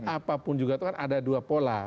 apapun juga itu kan ada dua pola